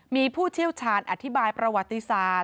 มีผู้เชี่ยวชาญอธิบายประวัติศาสตร์